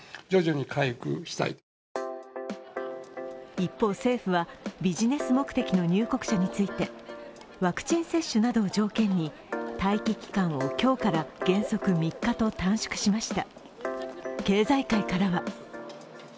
一方、政府はビジネス目的の入国者についてワクチン接種などを条件に待機期間を、今日から原則３日と短縮しました。